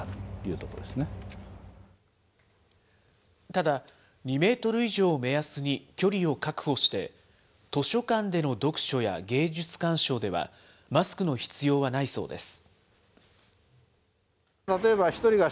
ただ、２メートル以上を目安に距離を確保して、図書館での読書や芸術鑑賞では、マスクの必要はないそうです。